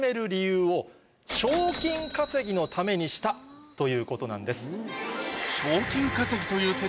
のためにしたということなんです。